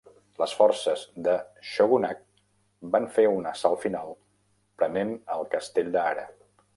Les forces del shogunat van fer un assalt final, prenent el castell de Hara.